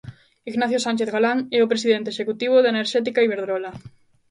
Ignacio Sánchez Galán é o presidente executivo da enerxética Iberdrola.